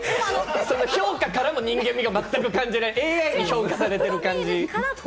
その評価からの人間味が全く感じられない、ＡＩに評価されてる感じ。